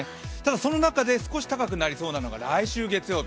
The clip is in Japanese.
その中で少し高くなりそうなのが来週月曜日。